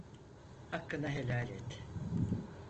Hakkını helal et!